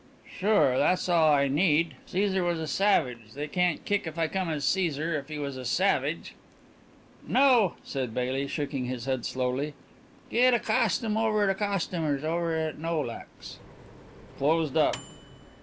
"Sure, tha's all I need. Caesar was a savage. They can't kick if I come as Caesar, if he was a savage." "No," said Baily, shaking his head slowly. "Get a costume over at a costumer's. Over at Nolak's." "Closed up."